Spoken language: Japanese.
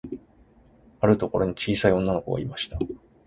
あるところに、ちいさい女の子がいました。